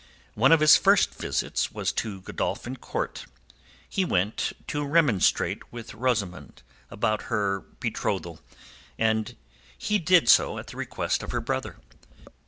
One of his first visits was to Godolphin Court. He went to remonstrate with Rosamund upon her betrothal, and he did so at the request of her brother.